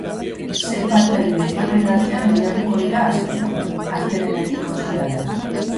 Sei partaide euren artean lehiatuko dira astero, astelehenetik ostiralera.